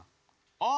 ああ！